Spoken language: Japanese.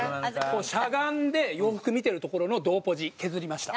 しゃがんで洋服見てるところの同ポジ削りました。